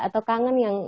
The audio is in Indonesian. atau kangen yang